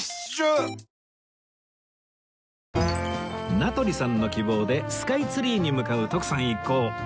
名取さんの希望でスカイツリーに向かう徳さん一行